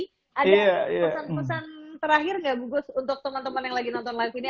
ada pesan pesan terakhir gak bungkus untuk teman teman yang lagi nonton live ini